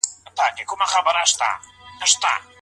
زبير بن عوام څوک و؟